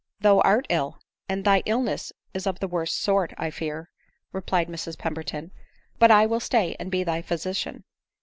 " Thou art ill, and thy illness is of the worst sort, I fear," replied Mrs Pemberton ; but I will stay, and be thy physician."